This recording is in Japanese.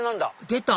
出た！